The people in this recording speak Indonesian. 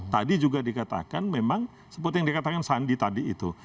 tadi juga dikatakan memang seperti yang dikatakan sandi tadi itu